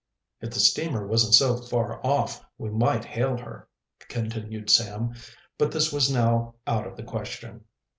"If the steamer wasn't so far off we might hail her," continued Sam, but this was now out of the question.